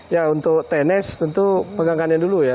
ya untuk tenis tentu pegangannya dulu ya